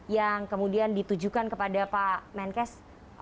yang kemudian ditujukan kepada pak menkes